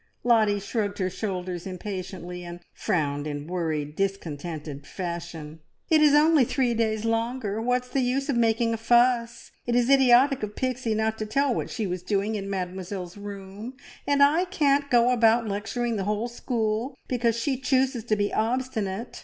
Lottie shrugged her shoulders impatiently, and frowned in worried, discontented fashion. "It is only three days longer. What is the use of making a fuss? It is idiotic of Pixie not to tell what she was doing in Mademoiselle's room, and I can't go about lecturing the whole school because she chooses to be obstinate!